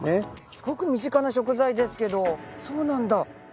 すごく身近な食材ですけどそうなんだ。